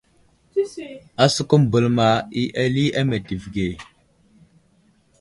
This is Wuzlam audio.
Asəkum bəlma i ali a meltivi age.